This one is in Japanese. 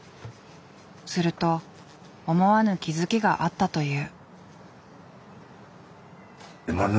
すると思わぬ気付きがあったという。